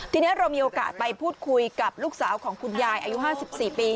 ทีนี้เรามีโอกาสไปพูดคุยกับลูกสาวของคุณยายอายุ๕๔ปี